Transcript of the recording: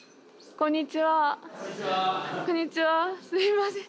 こんにちはすいません。